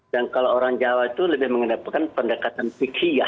dan kalau orang jawa itu lebih mengedepkan pendekatan fikiah